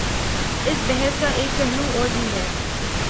اس بحث کا ایک پہلو اور بھی ہے۔